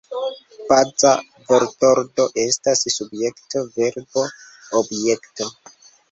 Baza vortordo estas Subjekto-Verbo-Objekto.